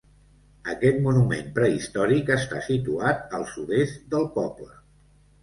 Aquest monument prehistòric està situat al sud-est del poble.